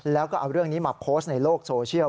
แล้วก็เอาเรื่องนี้มาโพสต์ในโลกโซเชียล